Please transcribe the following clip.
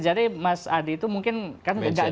jadi mas adi itu mungkin kan